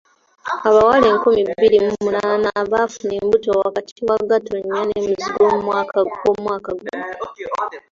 Abawala enkumi bbiri mu munaana baafuna embuto wakati wa Gatonnya ne Muzigo w'omwaka guno.